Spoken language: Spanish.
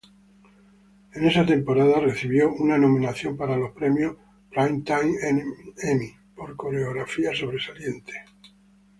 Por esa temporada, recibió una nominación para los Premios Primetime Emmy por coreografía sobresaliente.